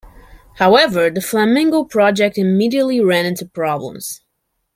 However, the Flamingo project immediately ran into problems.